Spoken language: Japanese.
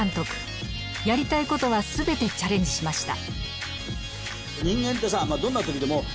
やりたいことは全てチャレンジしました。